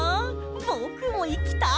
ぼくもいきたい！